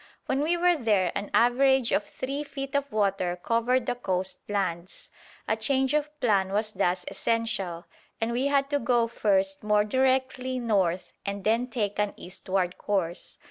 When we were there an average of three feet of water covered the coast lands. A change of plan was thus essential, and we had to go first more directly north and then take an eastward course.